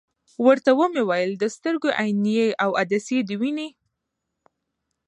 ورته ومي ویل: د سترګي عینیې او عدسیې دي وینې ؟